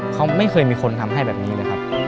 เขาไม่เคยมีคนทำให้แบบนี้เลยครับ